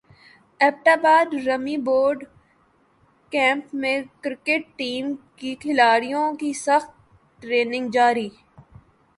Abbott باد army boot camp میں cricket team کے کھلاڑیوں کی سخت ٹریننگ جاری